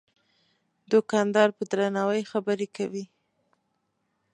دوکاندار په درناوي خبرې کوي.